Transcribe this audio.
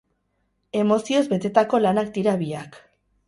Emozioz betetako lanak dira biak.